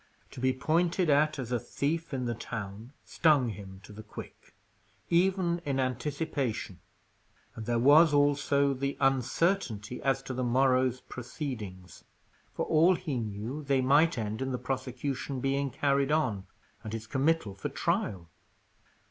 To be pointed at as a thief in the town, stung him to the quick, even in anticipation; and there was also the uncertainty as to the morrow's proceedings; for all he knew, they might end in the prosecution being carried on, and his committal for trial.